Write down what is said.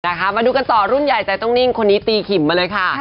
มาดูกันต่อรุ่นใหญ่ใจต้องนิ่งคนนี้ตีขิมมาเลยค่ะ